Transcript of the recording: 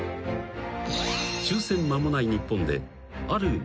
［終戦間もない日本で］